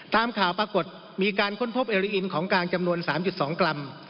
ตามข่าวปรากฏมีการค้นพบเอลินของกลางจำนวน๓๒กรัม